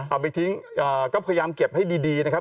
เอาไปทิ้งก็พยายามเก็บให้ดีนะครับ